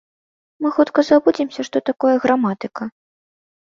Мы хутка забудземся, што такое граматыка.